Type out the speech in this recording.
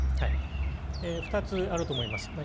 ２つあると思います。